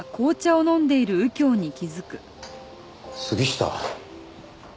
杉下。